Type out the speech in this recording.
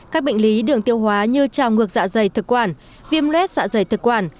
các bệnh lý đường tiêu hóa như trào ngược dạ dày thực quản viêm luet dạ dày thực quản